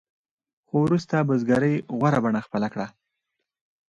خو وروسته بزګرۍ غوره بڼه خپله کړه.